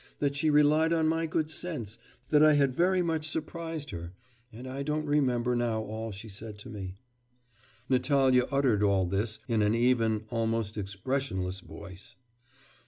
that she relied on my good sense, that I had very much surprised her... and I don't remember now all she said to me.' Natalya uttered all this in an even, almost expressionless voice.